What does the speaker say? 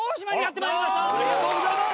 ありがとうございます！